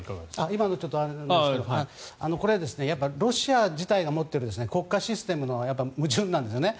今の、あれですがこれ、ロシア自体が持っている国家システムの矛盾なんです。